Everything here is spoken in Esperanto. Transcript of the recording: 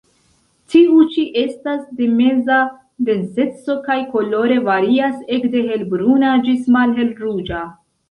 Tiu ĉi estas de meza denseco, kaj kolore varias ekde hel-bruna ĝis malhel-ruĝa.